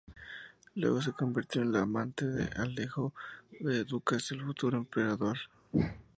Luego se convirtió en la amante de Alejo V Ducas, el futuro emperador.